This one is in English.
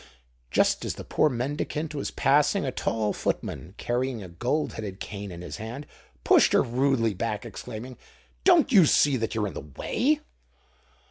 Just as the poor mendicant was passing, a tall footman, carrying a gold headed cane in his hand, pushed her rudely back, exclaiming, "Don't you see that you're in the way?"